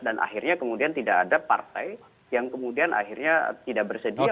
dan akhirnya kemudian tidak ada partai yang kemudian akhirnya tidak bersedia